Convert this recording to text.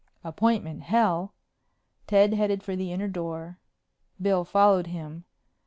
"Appointment hell!" Ted headed for the inner door. Bill followed him.